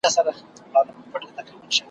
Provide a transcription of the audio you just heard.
هره ورځ یې له دباغ سره دعوه وه ,